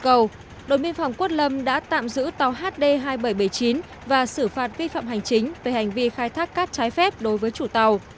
tổ tuần tra đồng biên phòng quất lâm đã tạm giữ tàu hd hai nghìn bảy trăm bảy mươi chín và xử phạt vi phạm hành chính về hành vi khai thác cát trái phép đối với chủ tàu